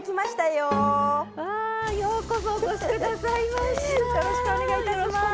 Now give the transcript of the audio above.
よろしくお願いします。